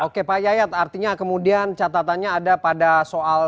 oke pak yayat artinya kemudian catatannya ada pada soal